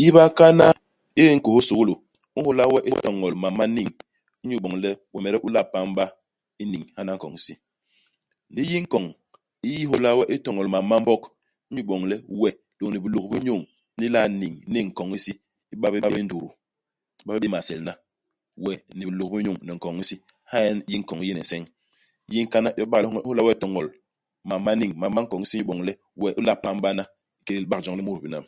Yi i bakana i di nkôs i sukulu, i nhôla we itoñol mam ma niñ, inyu iboñ le wemede u la'a pam-ba i niñ hana i nkoñ-hisi. Ndi yi i nkoñ i nhôla we itoñol mam ma Mbog, inyu iboñ le we lôñni bilôk-bi-nyuñ ni la'a niñ niñ i nkon-hisi, i ba bé béé ndutu, iba bé béé maselna, we ni bilôk-bi-nyuñ, ni nkoñ-hisi. Hala nyen yi i nkoñ i yéne nseñ. Yi i nkana yo i ba i nhôla we itoñol mam ma niñ, mam ma nkoñ-hisi inyu boñ le we u la pam-ba hana ikédé libak joñ li mut binam.